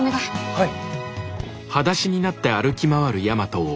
はい。